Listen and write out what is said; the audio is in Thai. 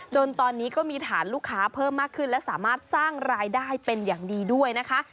จนตอนนี้ก็มีฐานลูกค้าเพิ่มมากขึ้นและสามารถสร้างรายได้เป็นอย่างดีด้วยนะคะ